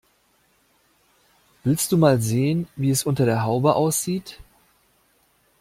Willst du mal sehen, wie es unter der Haube aussieht?